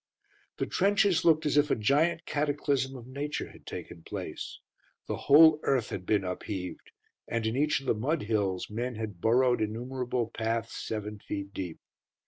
The trenches looked as if a giant cataclysm of Nature had taken place. The whole earth had been upheaved, and in each of the mud hills men had burrowed innumerable paths, seven feet deep.